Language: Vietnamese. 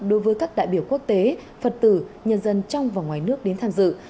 đối với các đại biểu quốc tế phật tử nhân dân trong và ngoài nước đến tham dự